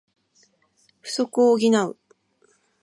不足を補う